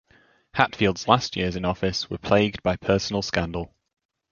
Hatfield's last years in office were plagued by personal scandal.